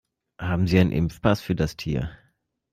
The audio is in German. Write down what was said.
Haben Sie einen Impfpass für das Tier?